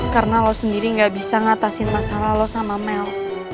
karena lo sendiri gak bisa ngatasin masalah lo sama mel